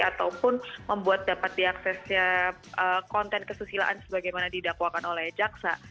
ataupun membuat dapat diaksesnya konten kesusilaan sebagaimana didakwakan oleh jaksa